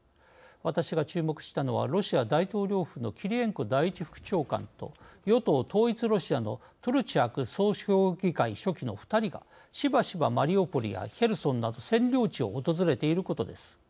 私が注目したのはロシア大統領府のキリエンコ第１副長官と与党・統一ロシアのトゥルチャク総評議会書記の２人が、しばしばマリウポリやヘルソンなど占領地を訪れていることです。